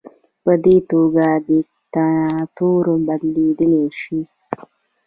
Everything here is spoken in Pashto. په دې توګه دیکتاتوري بدلیدلی شي.